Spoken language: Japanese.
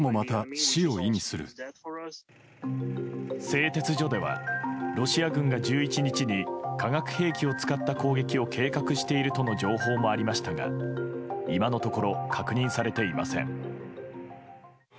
製鉄所ではロシア軍が１１日に化学兵器を使った攻撃を計画しているとの情報もありましたが今のところ確認されていません。